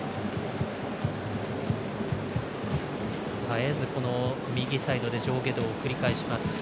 絶えず右サイドで上下動を繰り返します。